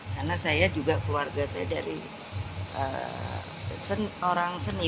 karena saya juga keluarga saya dari orang seni